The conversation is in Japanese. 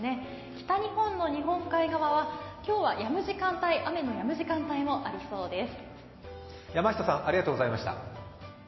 北日本の日本海側は今日は雨のやむ時間帯もありそうです。